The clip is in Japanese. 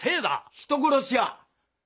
人殺しや！